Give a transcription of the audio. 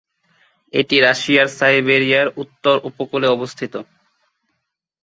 এটি রাশিয়ার সাইবেরিয়ার উত্তর উপকূলে অবস্থিত।